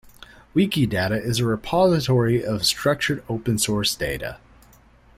Wikidata is a repository of structured open source data.